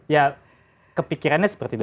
ya kepikirannya seperti itu